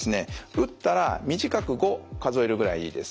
打ったら短く５数えるぐらいです。